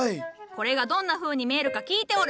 これがどんなふうに見えるか聞いておる。